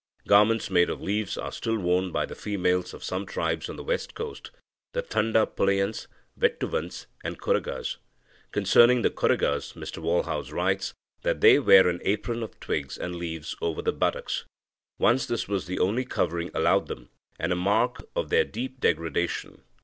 Garments made of leaves are still worn by the females of some tribes on the west coast, e.g., the Thanda Pulayans, Vettuvans, and Koragas. Concerning the Koragas, Mr Walhouse writes that they "wear an apron of twigs and leaves over the buttocks. Once this was the only covering allowed them, and a mark of their deep degradation.